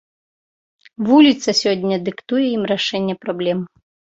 Вуліца сёння дыктуе ім рашэнне праблем.